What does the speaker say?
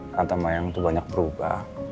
tante mayang tuh banyak berubah